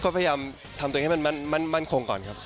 ก็พยายามทำตัวเองให้มันมั่นคงก่อนครับ